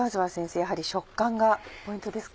やはり食感がポイントですか？